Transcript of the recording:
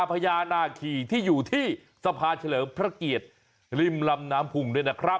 พญานาคีที่อยู่ที่สะพานเฉลิมพระเกียรติริมลำน้ำพุงด้วยนะครับ